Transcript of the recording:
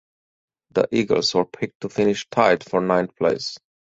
The Eagles were picked to finish tied for ninth place.